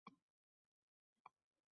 Ayblanuvchilardan biri hukumat amaldori